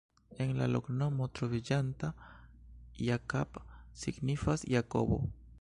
En la loknomo troviĝanta "Jakab" signifas: Jakobo.